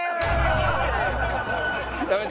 やめて！